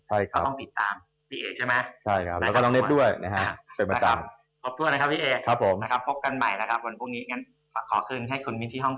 เขาต้องติดตามพี่เอกใช่ไหม